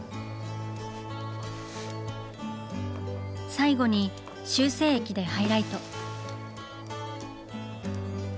最後に修正液でハイライト。